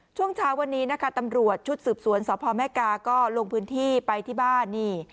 ช่วงเช้าวันนี้นะคะตำรวจชุดสืบสวนสพแม่กาก็ลงพื้นที่ไปที่บ้านนี่